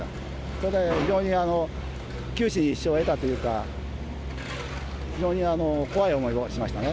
それで非常に九死に一生を得たというか、非常に怖い思いをしましたね。